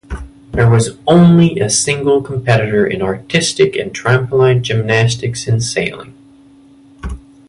There was only a single competitor in artistic and trampoline gymnastics and sailing.